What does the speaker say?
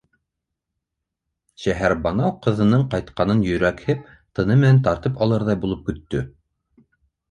Шәһәрбаныу ҡыҙының ҡайтҡанын йөрәкһеп, тыны менән тартып алырҙай булып көттө.